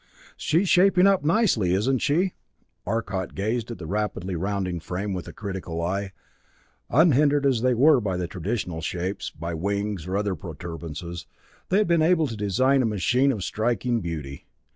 "She's shaping up nicely, isn't she?" Arcot gazed at the rapidly rounding frame with a critical eye. Unhindered as they were by the traditional shapes, by wings or other protuberances, they had been able to design a machine of striking beauty.